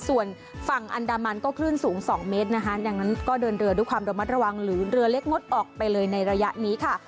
ส่วนฝั่งอันดามันก็คลื่นสูง๒เมตรนะคะดังนั้นก็เดินเรือด้วยความระมัดระวังหรือเรือเล็กงดออกไปเลยในระยะนี้ค่ะ